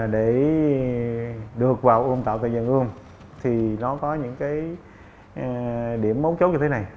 để được vào ươm tạo tại vườn ươm thì nó có những cái điểm mấu chốt như thế này